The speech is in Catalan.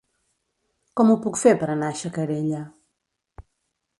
Com ho puc fer per anar a Xacarella?